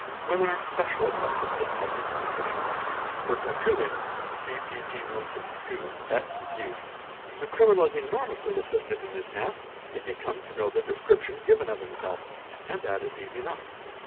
Women are special adepts at this kind of imitation. (For tattooing, see pp. 162 et seqq.) 'The criminal is enormously assisted in his task if he comes to 'know the description given of himself, and that is easy enough.